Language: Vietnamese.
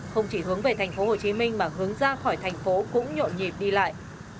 không chỉ hướng về tp hcm mà hướng ra khỏi thành phố cũng nhộn nhịp đi lại